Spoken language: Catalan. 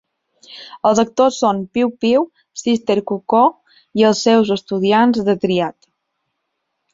Els actor són Piu-piu, Sister Cuckoo i els seus estudiants de Triad.